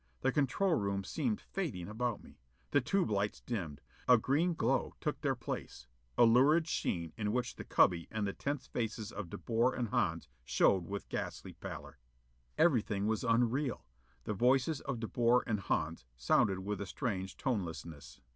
The control room seemed fading about me. The tube lights dimmed. A green glow took their place a lurid sheen in which the cubby and the tense faces of De Boer and Hans showed with ghastly pallor. Everything was unreal. The voices of De Boer and Hans sounded with a strange tonelessness.